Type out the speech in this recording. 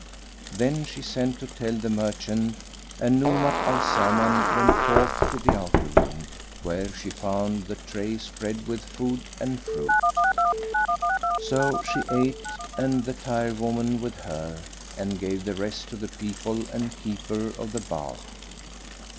Then she sent to tell the merchant, and Nuzhat al Zaman went forth to the outer room, where she found the tray spread with food and fruit. So she ate and the tire woman with her, and gave the rest to the people and keeper of the bath.